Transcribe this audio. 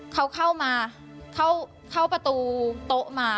เขาเข้ามาเข้าประตูโต๊ะมา